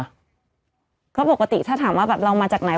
เพราะปกติถ้าถามว่าเรามาจากไหน